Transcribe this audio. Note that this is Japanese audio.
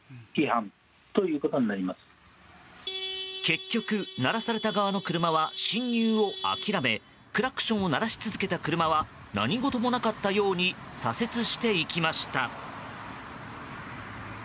結局、鳴らされた側の車は進入を諦めクラクションを鳴らし続けた車は何事もなかったように左折していきました。